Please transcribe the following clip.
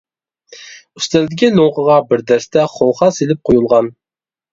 ئۈستەلدىكى لوڭقىغا بىر دەستە خوخا سېلىپ قويۇلغان.